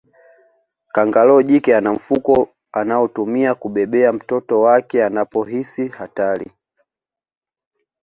Kangaroo jike ana mfuko anaotumia kubebea mtoto wake anapohisi hatari